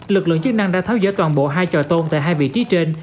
lực lượng chức năng đã tháo dỡ toàn bộ hai trò tôn tại hai vị trí trên